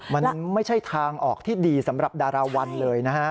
มันไม่ใช่ทางออกที่ดีสำหรับดาราวันเลยนะฮะ